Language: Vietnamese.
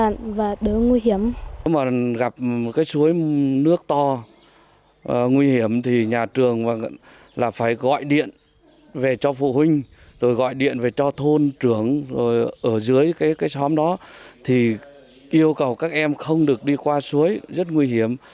nếu mà gặp suối nước to nguy hiểm thì nhà trường phải gọi điện về cho phụ huynh rồi gọi điện về cho thôn trưởng rồi ở dưới cái xóm đó thì yêu cầu các em không được đi qua suối rất nguy hiểm